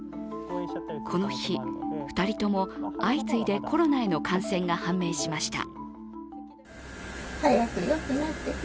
この日、２人とも相次いでコロナへの感染が判明しました。